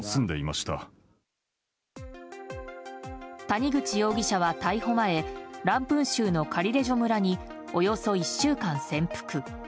谷口容疑者は逮捕前ランプン州のカリレジョ村におよそ１週間潜伏。